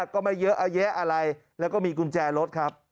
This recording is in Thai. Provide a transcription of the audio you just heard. ก็ไม่เยอะแยะอะไรแล้วก็มีกุญแจรถครับ